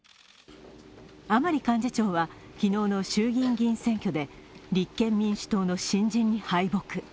甘利幹事長は、昨日の衆議院議員選挙で立憲民主党の新人に敗北。